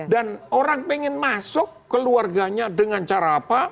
dan orang ingin masuk keluarganya dengan cara apa